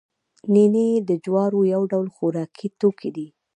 نینې د جوارو یو ډول خوراکي توکی دی